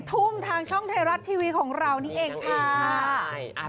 ทุ่มทางช่องไทยรัฐทีวีของเรานี่เองค่ะ